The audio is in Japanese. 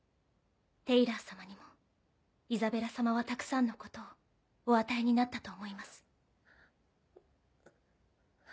テイラー様にもイザベラ様はたくさんのことをお与えになったと思います。